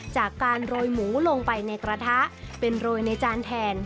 จากการโรยหมูลงไปในกระทะเป็นโรยในจานแทน